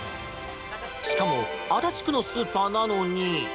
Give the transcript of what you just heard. しかも足立区のスーパーなのに。